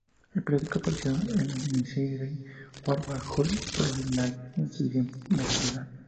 El periódico apareció en la miniserie World War Hulk: Front Line y Siege: Embedded.